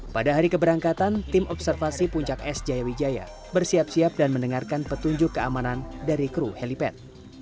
pada hari keberangkatan tim observasi puncak es jaya wijaya bersiap siap dan mendengarkan petunjuk keamanan dari kru helipad